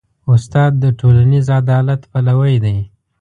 استاد د ټولنیز عدالت پلوی دی.